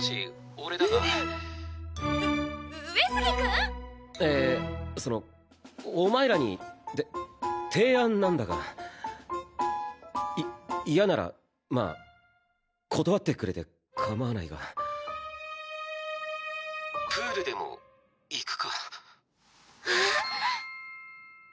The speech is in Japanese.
俺だが☎う上杉君！？えーそのお前らにて提案なんだがい嫌ならまあ断ってくれてかまわないがプールでも行くかあ